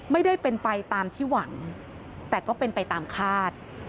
ไม่ได้เป็นไปตามที่หวังแต่ก็เป็นไปตามคาด